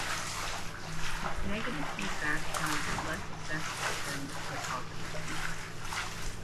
This negative feedback has less effect than the positive feedback.